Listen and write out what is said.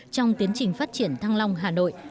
trong tiến trình phát triển thăng long hà nội